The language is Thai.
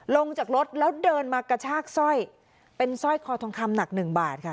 ลงจากรถแล้วเดินมากระชากสร้อยเป็นสร้อยคอทองคำหนักหนึ่งบาทค่ะ